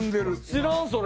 知らんそれ。